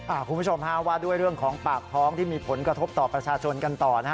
คุณผู้ชมฮะว่าด้วยเรื่องของปากท้องที่มีผลกระทบต่อประชาชนกันต่อนะฮะ